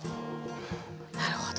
なるほど。